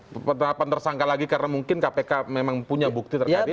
penetapan tersangka lagi karena mungkin kpk memang punya bukti terkait ini